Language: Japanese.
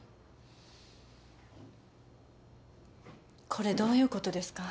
・これどういうことですか？